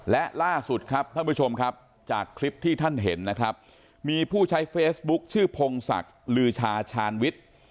และล่าสุดครับคุณผู้ชมครับจากคลิปที่ท่านเห็นนะครับ